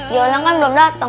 dia orang kan belum datang